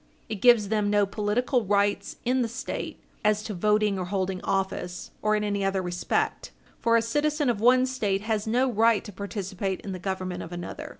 It gives them no political rights in the State as to voting or holding office, or in any other respect. For a citizen of one State has no right to participate in the government of another.